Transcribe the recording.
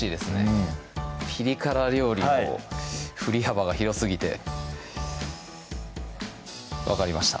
うんピリ辛料理の振り幅が広すぎて分かりました